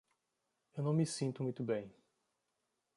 Eu não me sinto muito bem.